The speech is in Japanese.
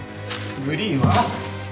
グリーンは？